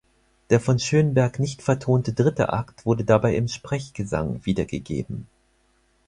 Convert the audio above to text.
Der von Schönberg nicht vertonte dritte Akt wurde dabei im Sprechgesang wiedergegeben.